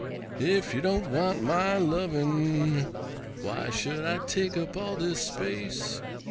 If you don't want my lovin', Why should I take up all this space?